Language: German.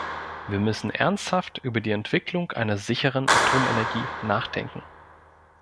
Wir müssen ernsthaft über die Entwicklung einer sicheren Atomenergie nachdenken.